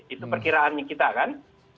itu perkiraannya kita kan